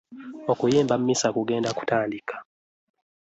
Okuyimba mmisa kugenda kutandika.